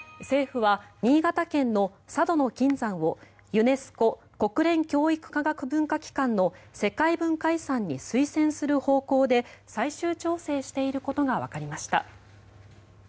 政府は新潟県の佐渡島の金山をユネスコ・国連教育科学文化機関の世界文化遺産に推薦する方向で最終調整していることがわかりました。